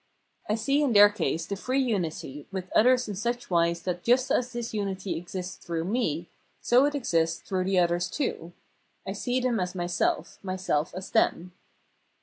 I see in their case the free unity with others in such wise that just as this unity exists through me, so it exists through the others too — I see them as myself, myself as them.